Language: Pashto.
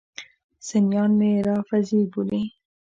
سنیان مې رافضي بولي.